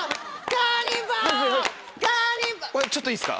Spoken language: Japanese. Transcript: ちょっといいですか。